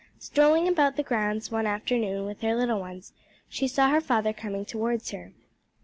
Strolling about the grounds one afternoon with her little ones, she saw her father coming towards her.